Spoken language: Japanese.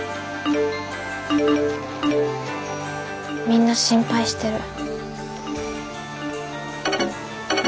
みんな心配してる。